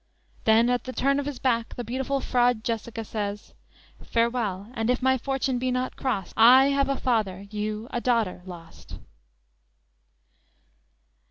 "_ Then at the turn of his back the beautiful fraud Jessica says: _"Farewell, and if my fortune be not crost, I have a father, you a daughter, lost!"